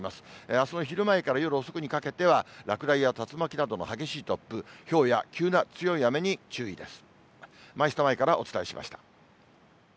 あすの昼前から夜遅くにかけては、落雷や竜巻などの激しい突風、ひょうや急な強い雨に注意です。